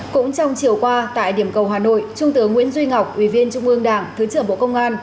cũng trong chiều qua tại điểm cầu hà nội trung tướng nguyễn duy ngọc ủy viên trung ương đảng thứ trưởng bộ công an